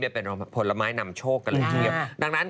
จะเป็นผลไม้นำโชคกันเลย